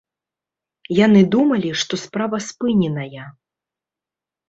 Яны думалі, што справа спыненая.